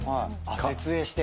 設営して。